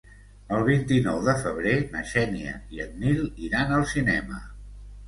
El vint-i-nou de febrer na Xènia i en Nil iran al cinema.